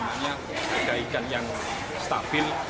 ini disimbangi dengan harga ikan yang stabil